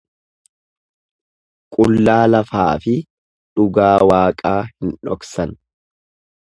Qullaa lafaafi dhugaa Waaqaa hin dhoksan.